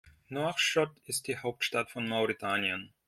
Nouakchott ist die Hauptstadt von Mauretanien.